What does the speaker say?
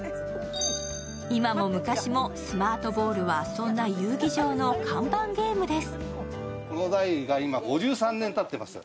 今も昔もスマートボールは、そんな遊技場の看板ゲームです。